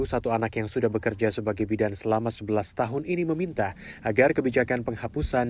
satu anak yang sudah bekerja sebagai bidan selama sebelas tahun ini meminta agar kebijakan penghapusan